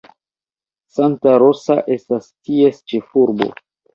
Santa Rosa estas ties ĉefurbo.